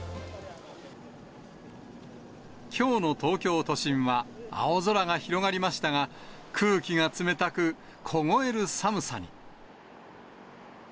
きょうの東京都心は、青空が広がりましたが、空気が冷たく、凍える寒さに。